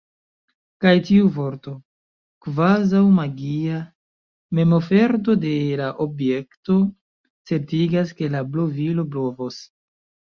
Kaj tiu vorto, kvazaŭ magia memoferto de la objekto, certigas, ke la blovilo blovos.